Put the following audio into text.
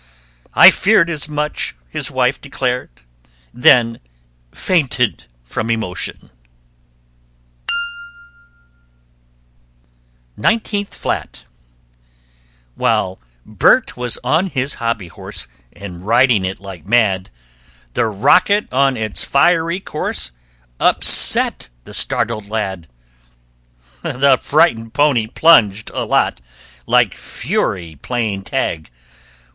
"I feared as much!" his wife declared; Then fainted from emotion. [Illustration: EIGHTEENTH FLAT] NINETEENTH FLAT While Burt was on his hobby horse And riding it like mad, The rocket on its fiery course Upset the startled lad. The frightened pony plunged a lot, Like Fury playing tag.